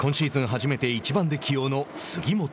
初めて１番で起用の杉本。